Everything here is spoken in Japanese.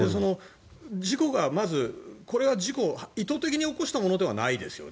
事故がまずこれは事故意図的に起こしたものではないですよね。